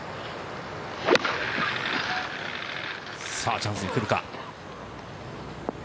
チャンスに来るか。